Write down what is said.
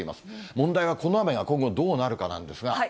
問題はこの雨が今後、どうなるかなんですが。